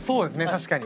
確かに。